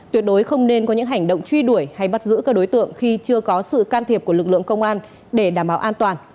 tuyệt đối không nên có những hành động truy đuổi hay bắt giữ các đối tượng khi chưa có sự can thiệp của lực lượng công an để đảm bảo an toàn